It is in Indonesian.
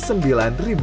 tentang porsi seperti ini